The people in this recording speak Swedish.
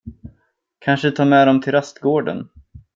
Kanske ta med dem till rastgården.